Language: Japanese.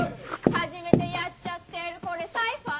初めてやっちゃってるこれサイファー？